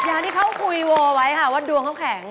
อย่างที่เขาคุยโวไว้ค่ะว่าดวงเขาแข็ง